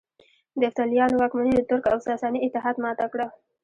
د یفتلیانو واکمني د ترک او ساساني اتحاد ماته کړه